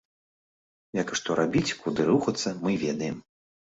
Як і што рабіць, куды рухацца, мы ведаем.